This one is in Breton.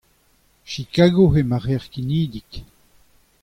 Chicago eo ma c'hêr c'henidik.